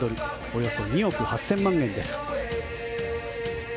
およそ２億８０００万円です。